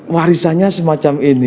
warisanya semacam ini